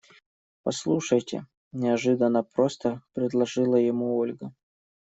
Послушайте, – неожиданно просто предложила ему Ольга.